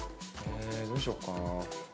どうしようかな。